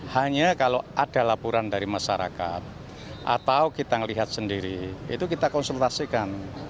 hanya kalau ada laporan dari masyarakat atau kita melihat sendiri itu kita konsultasikan